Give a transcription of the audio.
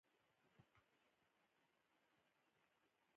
او د همدې انسان پر هوساینه راڅرخي.